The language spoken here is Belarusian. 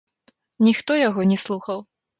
Ніхто яго не слухаў.